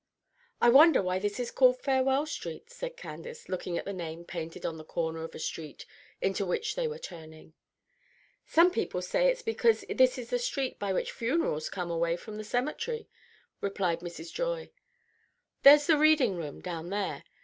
"I wonder why this is called 'Farewell Street,'" said Candace, looking at the name painted on the corner of a street into which they were turning. "Some people say it's because this is the street by which funerals come away from the Cemetery," replied Mrs. Joy. "There's the Reading room down there.